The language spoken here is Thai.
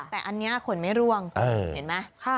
แต่อันนี้ขนไม่ร่วงเห็นไหม